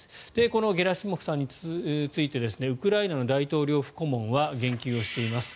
このゲラシモフさんについてウクライナの大統領府顧問は言及をしています。